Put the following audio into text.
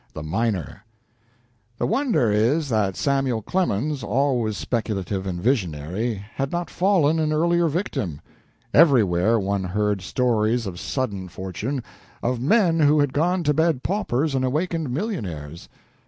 THE MINER The wonder is that Samuel Clemens, always speculative and visionary, had not fallen an earlier victim. Everywhere one heard stories of sudden fortune of men who had gone to bed paupers and awakened millionaires.